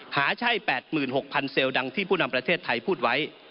หาใช่๘๖๐๐เซลล์ดังที่ผู้นำประเทศไทยพูดไว้